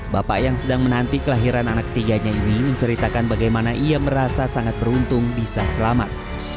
bapak yang sedang menanti kelahiran anak ketiganya ini menceritakan bagaimana ia merasa sangat beruntung bisa selamat